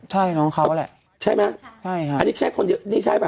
ใช่น้องเขาแหละใช่ไหมใช่ค่ะอันนี้แค่คนเดียวนี่ใช่ป่